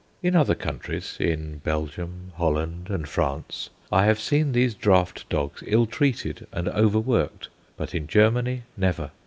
In other countries in Belgium, Holland and France I have seen these draught dogs ill treated and over worked; but in Germany, never.